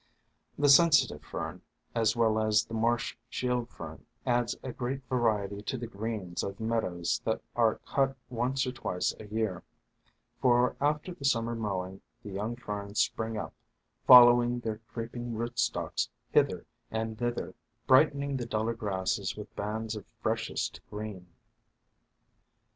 The Sensitive Fern, as well as the Marsh Shield Fern, adds a great variety to the greens of mead ows that are cut once or twice a year, for after the Summer mowing the young Ferns spring up, following their creeping rootstocks hither and THE FANTASIES OF FERNS 203 thither, brightening the duller grasses with bands of freshest green.